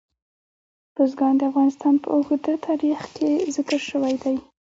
بزګان د افغانستان په اوږده تاریخ کې ذکر شوی دی.